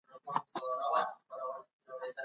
د ژبپوهنې له نظره، د پښتو ژبي ګڼ شمېر اصطلاحات د اوستایي